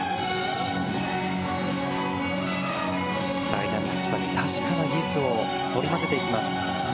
ダイナミックさに確かな技術を織り交ぜていきます。